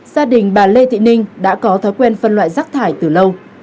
gia đình bà lê thị ninh đã có thói quen phân loại rác thải từ lâu